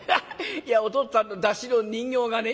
「いやお父っつぁんの山車の人形がね